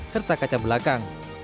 serta kaca belakang